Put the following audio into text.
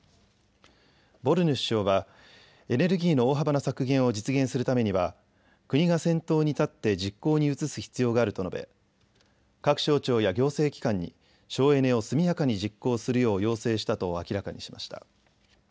ボルヌ首相はエネルギーの大幅な削減を実現するためには国が先頭に立って実行に移す必要があると述べ、各省庁や行政機関に省エネを速やかに実行するよう要請したと明らかにしました。